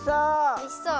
おいしそう！